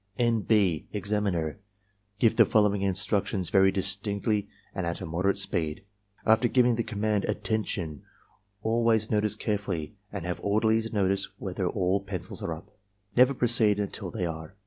'" N, B, Examiner, — Give the following instructions very dis tinctly and at moderate speed. After giving the command "Attention," always notice carefully and have orderlies notice whether all pencils are up. Never proceed until they are.